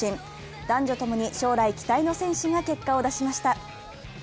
男女ともに将来期待の選手が結果を出しました。